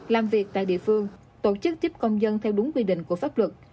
làm việc tại địa phương tổ chức tiếp công dân theo đúng quy định của pháp luật